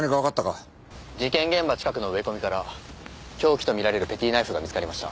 事件現場近くの植え込みから凶器とみられるペティナイフが見つかりました。